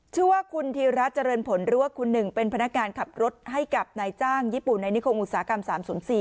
ชื่อว่าคุณธีระเจริญผลหรือว่าคุณหนึ่งเป็นพนักงานขับรถให้กับนายจ้างญี่ปุ่นในนิคมอุตสาหกรรม๓๐๔